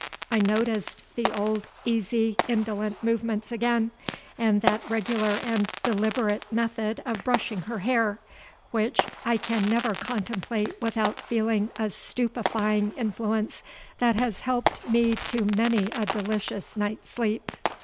I noticed the old easy indolent movements again, and that regular and deliberate method of brushing her hair, which I can never contemplate without feeling a stupefying influence that has helped me to many a delicious night's sleep.